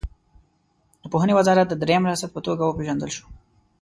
د پوهنې وزارت د دریم ریاست په توګه وپېژندل شوه.